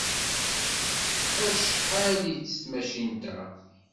Acḥal-itt tmacint-a?